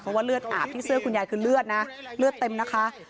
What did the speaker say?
เพราะว่าเลือดอาบที่เสื้อคุณยายคือเลือดนะเลือดเต็มนะคะ